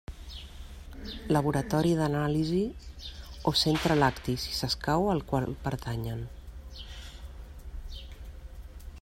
Laboratori d'anàlisis o centre lacti, si s'escau, al qual pertanyen.